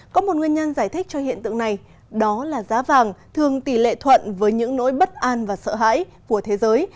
có một nguyên nhân giải thích cho hiện tượng này đó là giá vàng thường tỷ lệ thuận với những nỗi bất an và sợ hãi của thế giới